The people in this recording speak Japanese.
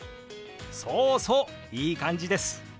そうそういい感じです！